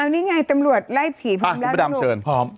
นี่ไงตำรวจไล่ผีพร้อมอ้าวพี่ดามเชิญ